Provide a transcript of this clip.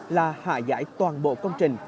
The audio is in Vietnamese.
là hạ giải toàn bộ công trình